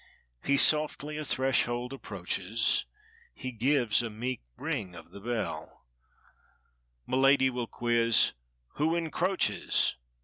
He, softly, d threshold approaches; He gives a meek ring of the bell; Milady will quiz—"who encroaches?"